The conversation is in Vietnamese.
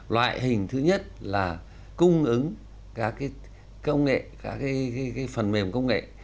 loại hình thứ nhất là cung ứng các cái công nghệ các cái phần mềm công nghệ